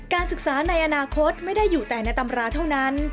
ศึกษาในอนาคตไม่ได้อยู่แต่ในตำราเท่านั้น